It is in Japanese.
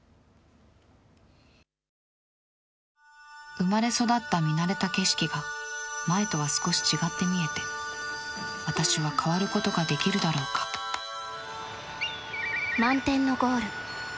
生まれ育った見慣れた景色が前とは少し違って見えて私は変わることができるだろうか「満天のゴール」。